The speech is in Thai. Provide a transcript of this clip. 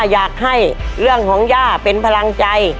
อยากให้เรื่องของย่าเป็นพลังใจ